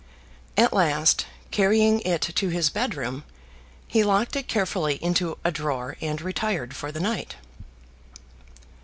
At last, carrying it to his bedroom, he locked it carefully into a drawer and retired for the night.